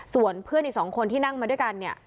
ส่วนเพื่อนอีก๒คนที่นั่งมาด้วยกันเนี่ย